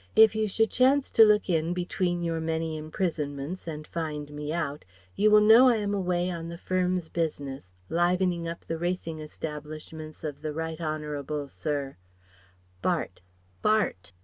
If you should chance to look in between your many imprisonments and find me out, you will know I am away on the Firm's business, livening up the racing establishments of the Right Honble Sir , Bart. Bart.